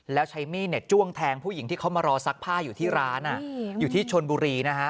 แล้วใช้มีดจ้วงแทงผู้หญิงที่เขามารอซักผ้าอยู่ที่ร้านอยู่ที่ชนบุรีนะฮะ